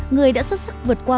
người đã xuất sắc vượt qua